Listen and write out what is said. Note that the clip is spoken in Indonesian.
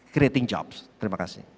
creating jobs terima kasih